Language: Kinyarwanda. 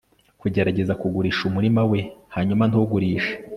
Kugerageza kugurisha umurima we hanyuma ntugurishe